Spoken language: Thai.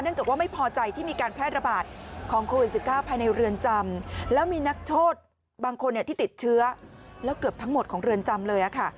จากว่าไม่พอใจที่มีการแพร่ระบาดของโควิด๑๙ภายในเรือนจำแล้วมีนักโทษบางคนที่ติดเชื้อแล้วเกือบทั้งหมดของเรือนจำเลยค่ะ